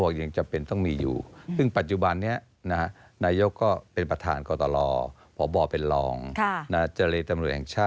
ขณะกรรมการข้นอาจารย์ตำรวจ